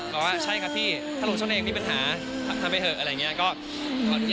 บอกว่าใช่ครับพี่ถ้าลงฉันเองมีปัญหาทำไปเถอะอะไรอย่างนี้